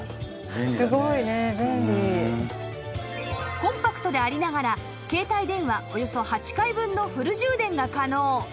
コンパクトでありながら携帯電話およそ８回分のフル充電が可能